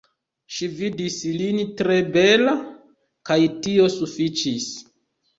Ŝi vidis lin tre bela, kaj tio sufiĉis.